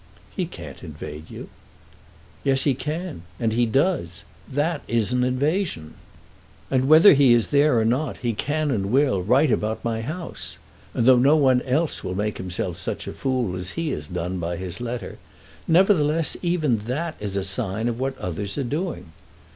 "He can't invade you." "Yes he can. He does. That is an invasion. And whether he is there or not, he can and will write about my house. And though no one else will make himself such a fool as he has done by his letter, nevertheless even that is a sign of what others are doing.